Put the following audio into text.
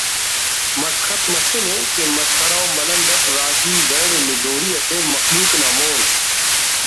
مسخت مسنے کہ مسخرہ و ملنڈ اٹ راجی ویل و نزوری تے مخلوق نا مون